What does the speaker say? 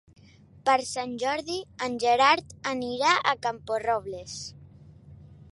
Per Sant Jordi en Gerard anirà a Camporrobles.